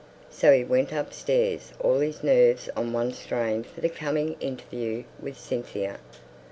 So he went upstairs, all his nerves on the strain for the coming interview with Cynthia.